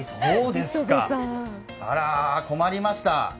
あら、困りました。